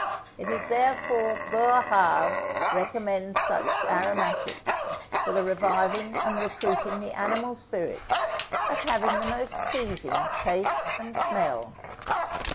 It is therefore Boerhaave recommends such aromatics, for the reviving and recruiting the animal spirits, as have the most pleasing taste and smell.